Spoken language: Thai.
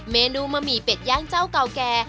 เมนูบะหมี่เป็ดย่างเจ้าเก่าแก่